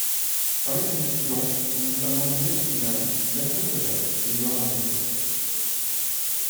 Parmi ses étudiants, il y a notamment Nir Friedman, Daphne Koller, et Yoram Moses.